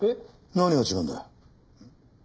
何が違うんだ？